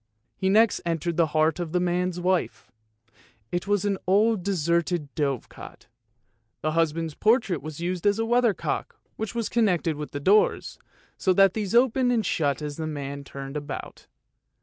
He next entered the heart of the man's wife. It was an old deserted dove cot ; the husband's portrait was used as a weather cock, which was connected with the doors, so that these opened and shut as the man turned about.